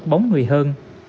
bóng nguy hơn